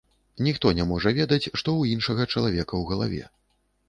Ніхто не можа ведаць, што ў іншага чалавека ў галаве.